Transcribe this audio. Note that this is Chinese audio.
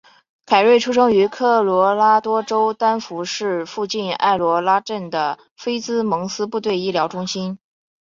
凯瑞出生于科罗拉多州丹佛市附近爱罗拉镇的菲兹蒙斯部队医疗中心。